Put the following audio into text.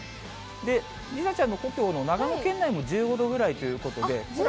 梨紗ちゃんの故郷の長野県内も１５度ぐらいということで。